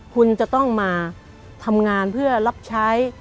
คุณจะต้องมาทำงานเพื่อรับใช้